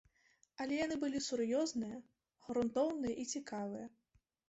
Але яны былі сур'ёзныя, грунтоўныя і цікавыя.